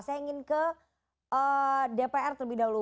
saya ingin ke dpr terlebih dahulu